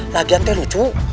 lagian teh lucu